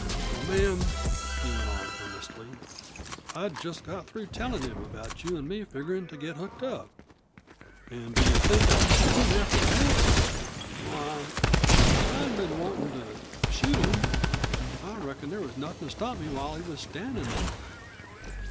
Why, ma'am," he went on earnestly, "I'd just got through tellin' him about you an' me figgerin' to get hooked up. An' do you think I'd shoot him after that? Why, if I'd been wantin' to shoot him I reckon there was nothin' to stop me while he was standin' there.